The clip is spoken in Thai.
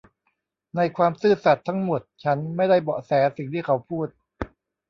ในความซื่อสัตย์ทั้งหมดฉันไม่ได้เบาะแสสิ่งที่เขาพูด